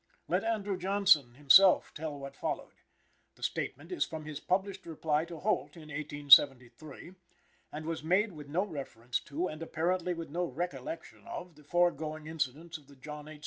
Let Andrew Johnson himself tell what followed. The statement is from his published reply to Holt in 1873, and was made with no reference to, and apparently with no recollection of, the foregoing incidents of the John H.